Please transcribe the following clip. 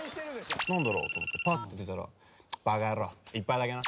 「何だろ？と思ってぱって出たら『バカヤロー１杯だけな』」